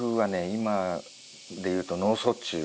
今でいうと脳卒中。